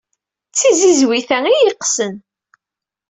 D tiziwit-a ay iyi-yeqqsen.